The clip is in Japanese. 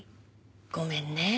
ごめんね。